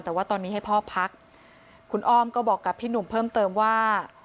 แต่ว่าตอนนี้ให้พ่อพักคุณอ้อมก็บอกกับพี่หนุ่มเพิ่มเติมว่า